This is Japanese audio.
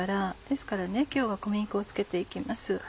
ですから今日は小麦粉をつけて行きます。